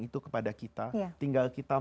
itu kepada kita tinggal kita